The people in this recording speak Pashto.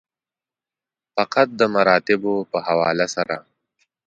فقط د مراتبو په حواله سره.